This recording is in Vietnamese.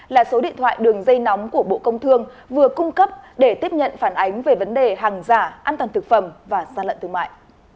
chín bốn năm một ba một chín một một là số điện thoại đường dây nóng của bộ công thương vừa cung cấp để tiếp nhận phản ánh về vấn đề hàng giả an toàn thực phẩm và gian lận thương mại